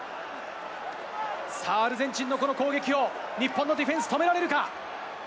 さあ、アルゼンチンのこの攻撃を、日本のディフェンス、止められるか。